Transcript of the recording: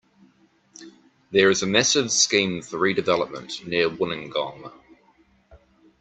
There is a massive scheme for redevelopment near Wollongong.